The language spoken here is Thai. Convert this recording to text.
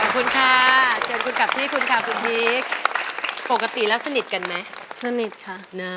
ขอบคุณค่ะเชิญคุณกลับที่คุณค่ะคุณพีคปกติแล้วสนิทกันไหมสนิทค่ะนะ